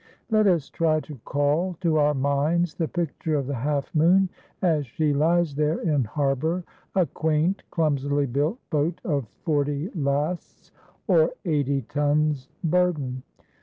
Let us try to call to our minds the picture of the Half Moon as she lies there in harbor, a quaint, clumsily built boat of forty lasts, or eighty tons, burden.